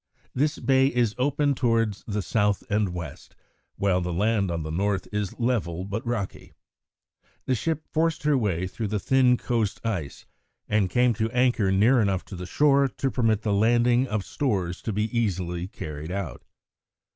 This bay is open towards the south and west, while the land on the north is level but rocky. The ship forced her way through the thin coast ice and came to anchor near enough to the shore to permit the landing of stores to be easily carried out.